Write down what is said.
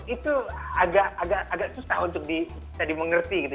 itu agak susah untuk bisa dimengerti gitu